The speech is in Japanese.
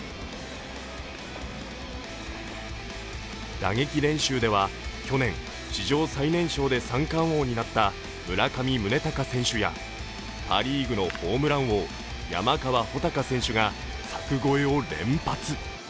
打撃練習では去年、史上最年少で三冠王になった村上宗隆選手やパ・リーグのホームラン王山川穂高選手が柵越えを連発。